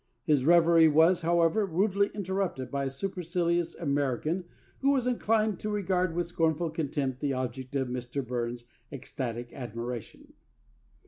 His reverie was, however, rudely interrupted by a supercilious American who was inclined to regard with scornful contempt the object of Mr. Burns' ecstatic admiration.